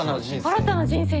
「新たな人生。」